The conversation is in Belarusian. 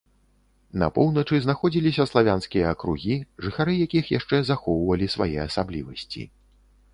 На поўначы знаходзіліся славянскія акругі, жыхары якіх яшчэ захоўвалі свае асаблівасці.